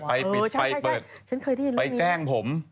ไปแจ้งผม